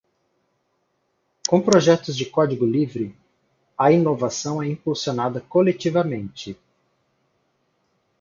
Com projetos de código livre, a inovação é impulsionada coletivamente.